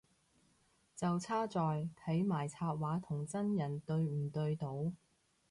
係差在睇埋插畫同真人對唔對到